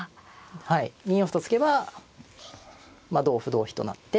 はい２四歩と突けば同歩同飛となって。